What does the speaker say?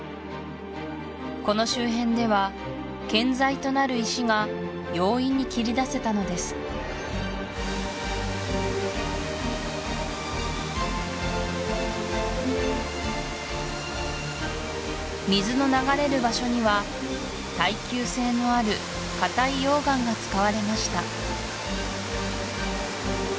この周辺では建材となる石が容易に切り出せたのです水の流れる場所には耐久性のある硬い溶岩が使われました